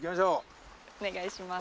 お願いします。